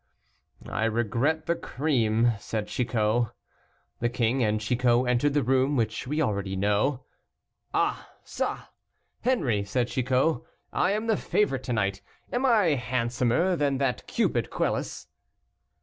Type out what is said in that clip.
"I regret the cream," said Chicot. The king and Chicot entered the room, which we already know. "Ah ça! Henri," said Chicot, "I am the favorite to night. Am I handsomer than that Cupid, Quelus?"